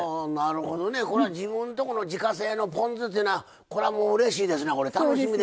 これは自分とこの自家製のポン酢というのはこれは、うれしいですな。